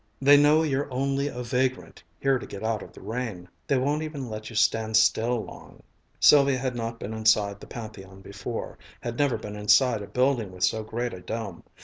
"They know you're only a vagrant, here to get out of the rain. They won't even let you stand still long." Sylvia had not been inside the Pantheon before, had never been inside a building with so great a dome.